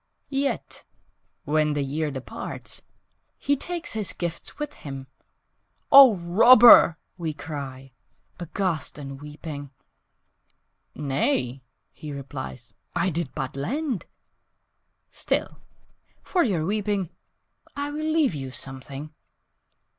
Yet when the year departs He takes his gifts with him "Oh, Robber!" we cry, Aghast and weeping, "Nay," he replies, "I did but lend. Still, for your weeping, I will leave you something.